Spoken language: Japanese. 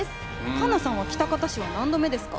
環那さんは喜多方市は何度目ですか？